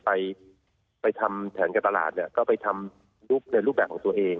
ไปไปทำแผนการตลาดเนี่ยก็ไปทำลุคในรูปแบบของตัวเอง